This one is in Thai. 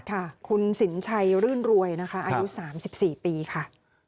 ค่ะคุณสินชัยรื่นรวยนะคะอายุ๓๔ปีค่ะ